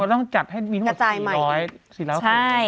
ต้องจัดให้มีตัวสี่ร้อย